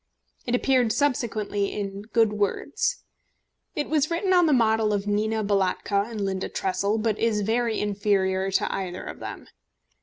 It appeared subsequently in Good Words. It was written on the model of Nina Balatka and Linda Tressel, but is very inferior to either of them.